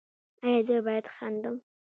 ایا زه باید خندم؟